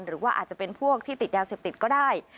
หรือว่าอาจจะเป็นพวกที่ติดยาเสพติดก็ได้